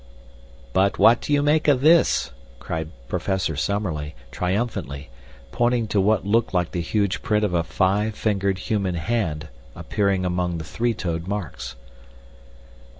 "But what do you make of this?" cried Professor Summerlee, triumphantly, pointing to what looked like the huge print of a five fingered human hand appearing among the three toed marks.